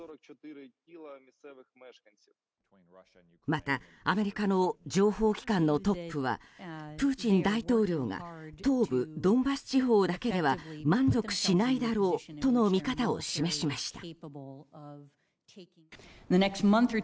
またアメリカの情報機関のトップはプーチン大統領が東部ドンバス地方だけでは満足しないだろうとの見方を示しました。